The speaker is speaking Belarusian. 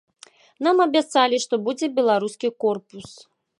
Нам абяцалі, што будзе беларускі корпус.